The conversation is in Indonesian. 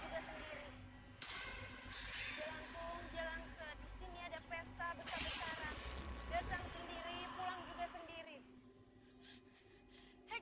jalan kung jalan se di sini ada pesta besar besaran